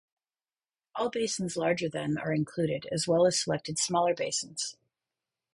All basins larger than are included as well as selected smaller basins.